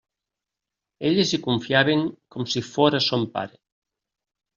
Elles hi confiaven com si fóra son pare.